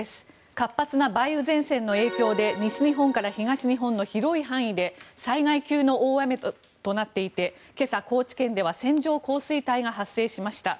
活発な梅雨前線の影響で西日本から東日本の広い範囲で災害級の大雨となっていて今朝、高知県では線状降水帯が発生しました。